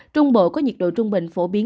trung bộ có nhiệt độ trung bình phổ biến